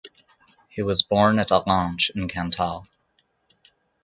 He was born at Allanche in Cantal.